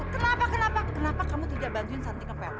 kenapa kenapa kenapa kamu tidak bantuin santi ngepel